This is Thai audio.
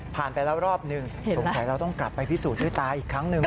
ไปแล้วรอบหนึ่งสงสัยเราต้องกลับไปพิสูจน์ด้วยตาอีกครั้งหนึ่ง